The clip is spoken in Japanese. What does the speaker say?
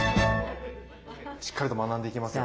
しっかりと学んでいきますよ。